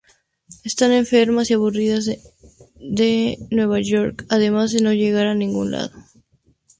Están enfermas y aburridas de Nueva York además de no llegar a ningún lado.